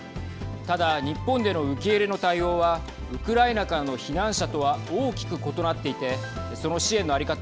ただ、日本での受け入れの対応はウクライナからの避難者とは大きく異なっていてその支援の在り方